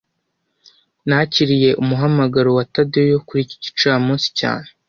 Nakiriye umuhamagaro wa Tadeyo kuri iki gicamunsi cyane